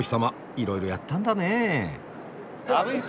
いろいろやったんだねえ！